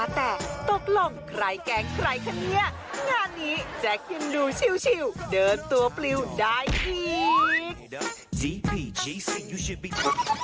แต่ตกลงใครแกงใครขนี้งานนี้จะกินดูชิวเดินตัวปลิวได้อีก